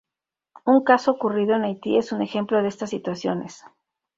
Un caso ocurrido en Haití es un ejemplo de estas situaciones.